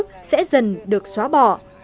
kinh tinh nữ sẽ dần được xóa bỏ